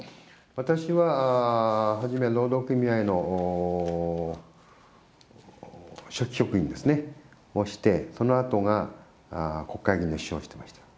私は初め、労働組合の書記職員ですね、それをして、そのあとが国会議員の秘書をしてました。